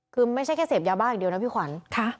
คือไม่ใช่แค่เสพยาบ้าอย่างเดียวนะพี่ขวัญ